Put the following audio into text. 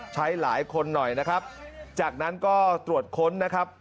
หลายคนหน่อยนะครับจากนั้นก็ตรวจค้นนะครับ